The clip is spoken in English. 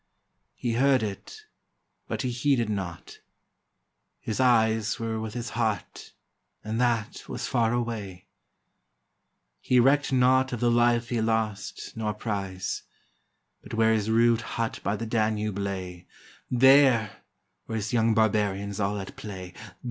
He heard it, but he heeded not — his eyes Were with !iis heart, and that was far away; He recked not of the life he lost nor prize, But where his rude hut by the Danube lay, There were his young barbarians all at play.